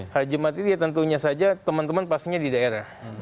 hari jumat itu ya tentunya saja teman teman pastinya di daerah